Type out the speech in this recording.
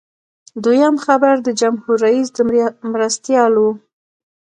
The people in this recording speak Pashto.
دویم خبر د جمهور رئیس د مرستیال و.